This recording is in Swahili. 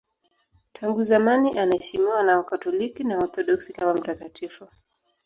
Tangu zamani anaheshimiwa na Wakatoliki na Waorthodoksi kama mtakatifu.